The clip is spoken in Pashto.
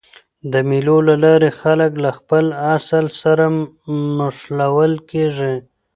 د مېلو له لاري خلک له خپل اصل سره مښلول کېږي.